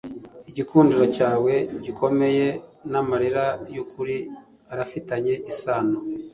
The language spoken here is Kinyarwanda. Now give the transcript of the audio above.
Igikundiro cyawe gikomeye namarira yukuri arafitanye isano